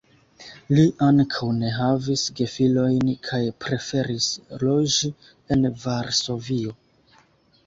Li ankaŭ ne havis gefilojn kaj preferis loĝi en Varsovio.